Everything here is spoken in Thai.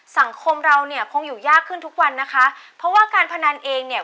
สังคมเราเนี่ยคงอยู่ยากขึ้นทุกวันนะคะเพราะว่าการพนันเองเนี่ย